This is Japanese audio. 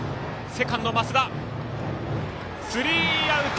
スリーアウト。